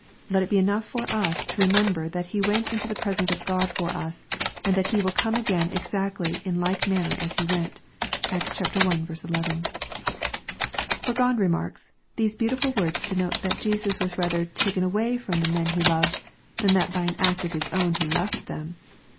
Let it be enough for us, to remember that He went into the presence of God for us, and that He will come again exactly in like manner as He went (Acts I 11.) Burgon remarks, " These beautiful words denote that Jesus was rather taken away from the men He loved, than that by an act of His own He left them.